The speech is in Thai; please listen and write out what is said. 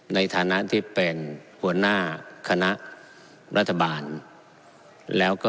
ในฐานะที่เป็นหัวหน้าคณะรัฐบาล